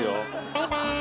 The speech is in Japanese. バイバーイ。